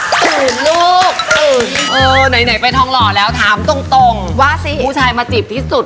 สูงลูกเออไหนไปทองหล่อแล้วถามตรงตรงว่าสิผู้ชายมาจีบที่สุด